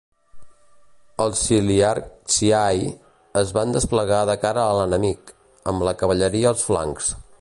Els Chiliarciai es van desplegar de cara a l'enemic, amb la cavalleria als flancs.